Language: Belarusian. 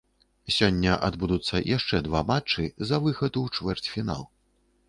Сёння адбудуцца яшчэ два матчы за выхад у чвэрцьфінал.